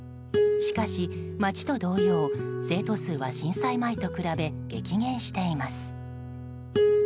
しかし町と同様、生徒数は震災前と比べ激減しています。